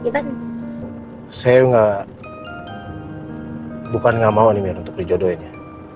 dan saya enggak bukan enggak mau nih biar untuk dijodohin ya